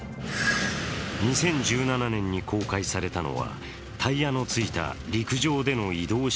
２０１７年に公開されたのはタイヤのついた陸上での移動式